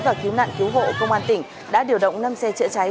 và cứu nạn cứu hộ công an tỉnh đã điều động năm xe chữa cháy